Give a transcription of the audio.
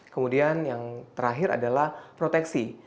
kemudian yang terakhir adalah proteksi